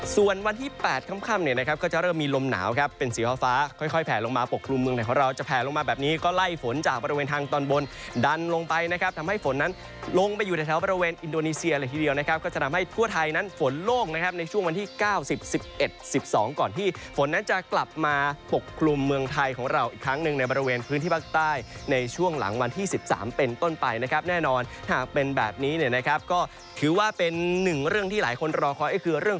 ส่วนวันที่๘ข้ำเนี่ยนะครับก็จะเริ่มมีลมหนาวครับเป็นสีฟ้าฟ้าค่อยแผ่ลงมาปกครุมเมืองไทยของเราจะแผ่ลงมาแบบนี้ก็ไล่ฝนจากบริเวณทางตอนบนดันลงไปนะครับทำให้ฝนนั้นลงไปอยู่ในแถวบริเวณอินโดนีเซียเลยทีเดียวนะครับก็จะทำให้ทั่วไทยนั้นฝนโล่งนะครับในช่วงวันที่๙๑๐๑๑๑๒ก่อนที่ฝนน